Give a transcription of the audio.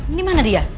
ini mana dia